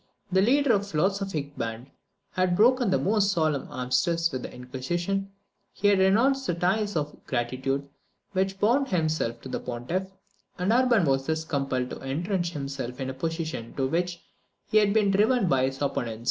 The leader of the philosophic band had broken the most solemn armistice with the Inquisition: he had renounced the ties of gratitude which bound him to the Pontiff; and Urban was thus compelled to entrench himself in a position to which he had been driven by his opponents.